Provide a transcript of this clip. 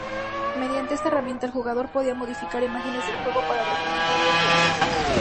Mediante esta herramienta, el jugador podía modificar imágenes del juego para representar varios edificios.